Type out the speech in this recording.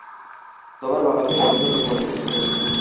তোমার বাবাকে জঘন্য লোক মনে হচ্ছে।